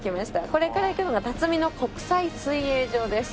これから行くのが辰巳の国際水泳場です。